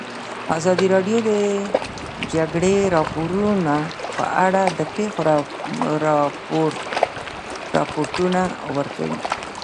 ازادي راډیو د د جګړې راپورونه په اړه د پېښو رپوټونه ورکړي.